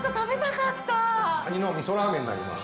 かにの味噌ラーメンになります。